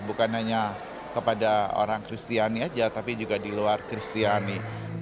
bukan hanya kepada orang kristiani saja tapi juga di luar kristiani